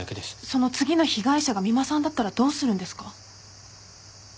その次の被害者が三馬さんだったらどうするんですか？